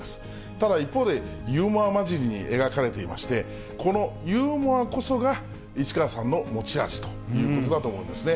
ただ、一方でユーモア交じりに描かれていまして、このユーモアこそが、市川さんの持ち味ということだと思うんですね。